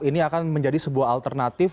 ini akan menjadi sebuah alternatif